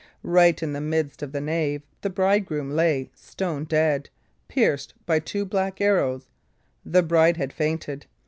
Right in the midst of the nave the bridegroom lay stone dead, pierced by two black arrows. The bride had fainted.